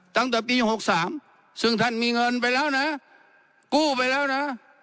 ตั้งแต่ปี๖๓ซึ่งท่านมีเงินไปแล้วนะกู้ไปแล้วนะ